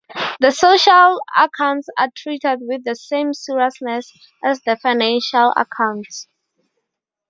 The social accounts are treated with the same seriousness as the financial accounts.